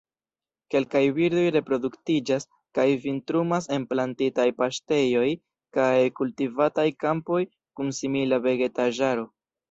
Kelkaj birdoj reproduktiĝas kaj vintrumas en plantitaj paŝtejoj kaj kultivataj kampoj kun simila vegetaĵaro.